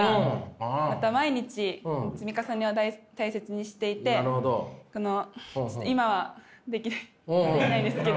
また毎日積み重ねを大切にしていてこのちょっと今はできないですけど。